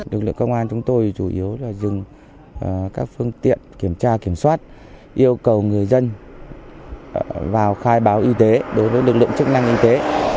lực lượng công an chúng tôi chủ yếu là dừng các phương tiện kiểm tra kiểm soát yêu cầu người dân vào khai báo y tế đối với lực lượng chức năng y tế